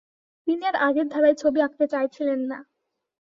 তিনি আর আগের ধারায় ছবি আঁকতে চাইছিলেন না।